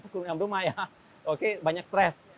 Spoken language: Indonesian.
berkeliling rumah ya oke banyak stress